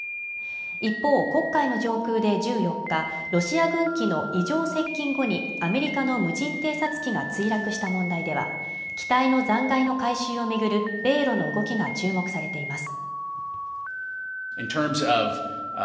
一方、国会の上空で１４日、ロシア軍機の異常接近後にアメリカの無人偵察機が墜落した問題では、機体の残骸の回収を巡る米ロの動きが注目されています。